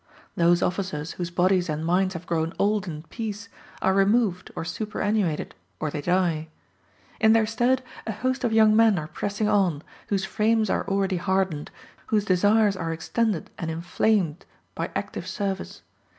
Those officers whose bodies and minds have grown old in peace, are removed, or superannuated, or they die. In their stead a host of young men are pressing on, whose frames are already hardened, whose desires are extended and inflamed by active service.